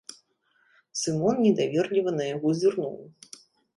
Сымон недаверліва на яго зірнуў.